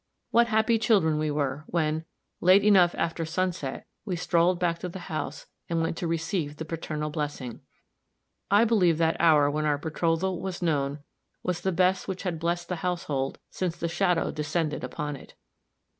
What happy children we were, when, late enough after sunset, we strolled back to the house and went to receive the paternal blessing! I believe that hour when our betrothal was known was the best which had blessed the household since the shadow descended upon it.